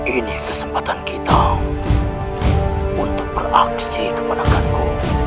ini kesempatan kita untuk beraksi kemanakanku